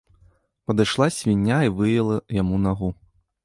Падышла свіння і выела яму нагу.